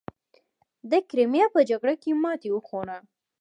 د کریمیا په جګړه کې ماتې وخوړه.